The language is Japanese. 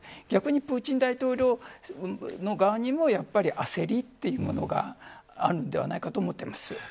逆にプーチン大統領の側にもやはり焦りというものがあるのではないかと思ってます。